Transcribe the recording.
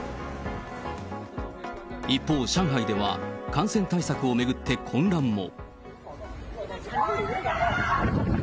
一方、上海では、感染対策を巡って混乱も。